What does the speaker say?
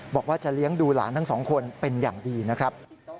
บอกว่าจะเลี้ยงดูหลานทั้งสองคนเป็นอย่างดีนะครับ